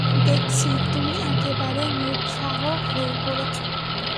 দেখছি, তুমি একেবারে নিরুৎসাহ হয়ে পড়েছ।